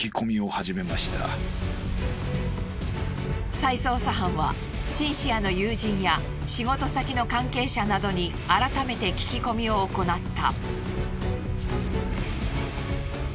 再捜査班はシンシアの友人や仕事先の関係者などに改めて聞き込みを行った。